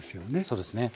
そうですね。